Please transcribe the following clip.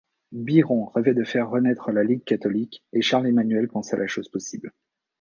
Biron rêvait de faire renaître la Ligue catholique, et Charles-Emmanuel pensait la chose possible.